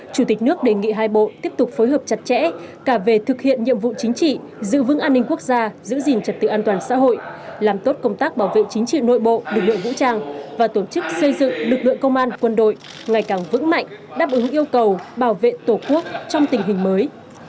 chủ tịch nước đề nghị hai bộ tiếp tục phối hợp chặt chẽ cả về thực hiện nhiệm vụ chính trị giữ vững an ninh quốc gia giữ gìn trật tự an toàn xã hội làm tốt công tác bảo vệ chính trị nội bộ lực lượng vũ trang và tổ chức xây dựng lực lượng công an quân đội ngày càng vững mạnh đáp ứng yêu cầu bảo vệ tổ quốc trong tình hình mới